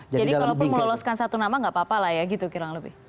jadi kalau meloloskan satu nama nggak apa apa lah ya gitu kirang lebih